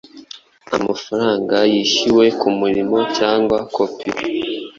amafaranga yishyuwe kumurimo cyangwa kopi